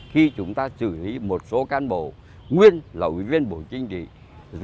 khi chúng ta xử lý một số cán bộ nguyên là ủy viên bộ chính trị